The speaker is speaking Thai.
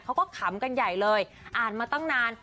ขำกันใหญ่เลยอ่านมาตั้งนาน